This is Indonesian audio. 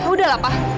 udah lah pak